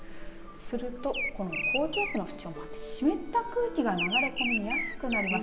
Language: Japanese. すると、この高気圧のふちに湿った空気が流れ込みやすくなります。